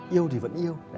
yêu thì vẫn yêu